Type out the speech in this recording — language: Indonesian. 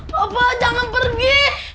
bapak jangan pergi